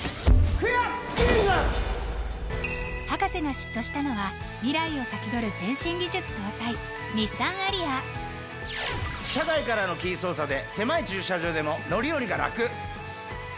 博士が嫉妬したのは未来を先取る先進技術搭載日産アリア車外からのキー操作で狭い駐車場でも乗り降りがラク！